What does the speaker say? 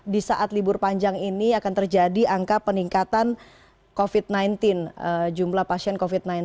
di saat libur panjang ini akan terjadi angka peningkatan covid sembilan belas jumlah pasien covid sembilan belas